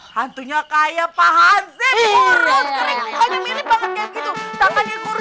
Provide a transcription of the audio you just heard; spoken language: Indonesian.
hantunya kayak pak hansip